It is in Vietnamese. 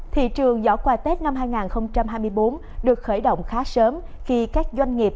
thị trường giỏ quà tết năm hai nghìn hai mươi bốn được khởi động khá sớm khi các doanh nghiệp